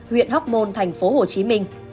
huyện hóc môn thành phố hồ chí minh